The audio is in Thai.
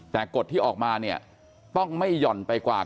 แต่กฎที่ออกมาเนี่ยต้องไม่หย่อนไปกว่า